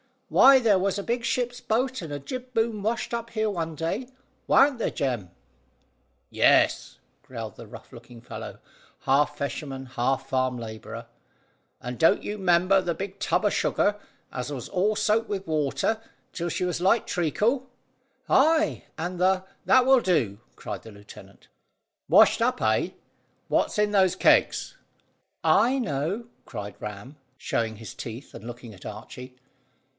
Why, there was a big ship's boat and a jib boom washed up here one day; warn't there, Jem?" "Yes," growled the rough looking fellow, half fisherman half farm labourer. "And don't you 'member the big tub o' sugar, as was all soaked with water, till she was like treacle?" "Ay, and the " "That will do that will do!" cried the lieutenant. "Washed up, eh? What's in those kegs?" "I know," cried Ram, showing his teeth, and looking at Archy.